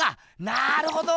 なるほど！